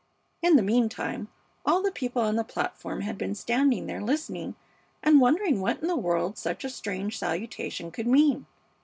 In the mean time all the people on the platform had been standing there listening and wondering what in the world such a strange salutation could mean.